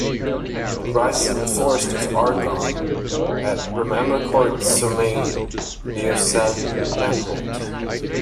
It rises in the forest of Argonne, at Rembercourt-Sommaisne, near Sainte-Menehould.